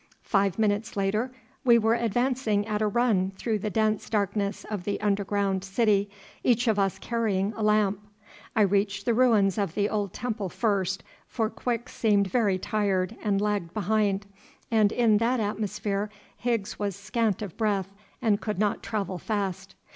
Five minutes later we were advancing at a run through the dense darkness of the underground city, each of us carrying a lamp. I reached the ruins of the old temple first, for Quick seemed very tired and lagged behind, and in that atmosphere Higgs was scant of breath and could not travel fast.